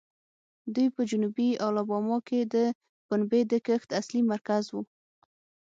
دوی په جنوبي الاباما کې د پنبې د کښت اصلي مرکز وو.